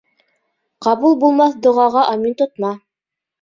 Ҡабул булмаҫ доғаға амин тотма.